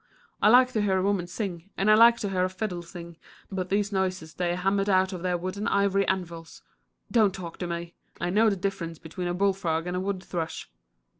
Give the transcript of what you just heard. I like to hear a woman sing, and I like to hear a fiddle sing, but these noises they hammer out of their wood and ivory anvils don't talk to me; I know the difference between a bullfrog and a wood thrush.